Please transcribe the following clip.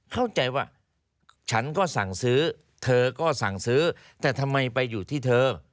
เข้าใจว่าฉันก็สั่งซื้อเธอก็สั่งซื้อแต่ทำไมไปอยู่ที่เธอ